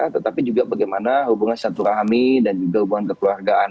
tetapi juga bagaimana hubungan selaturahmi dan juga hubungan kekeluargaan